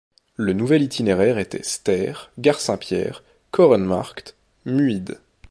Le nouvel itinéraire était Sterre - Gare Saint-Pierre - Korenmarkt - Muide.